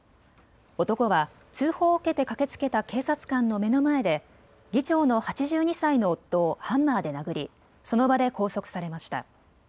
男は通報を受けて駆けつけた警察官の目の前で議長の８２歳の夫をハンマーで殴りその場で拘束されました。